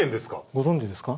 ご存じですか？